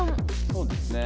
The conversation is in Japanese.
そうですね